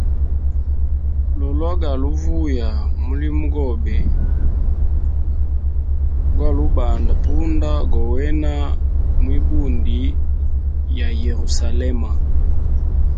Lo gwali uvuya mulimo gobe gwali ubanda punda gowena mwibundi ya Yerusalema.